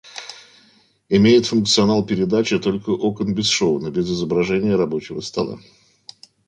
Имеет функционал передачи только окон бесшовно, без изображения рабочего стола